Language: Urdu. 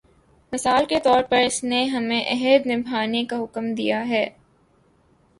مثال کے طور پر اس نے ہمیں عہد نبھانے کا حکم دیا ہے۔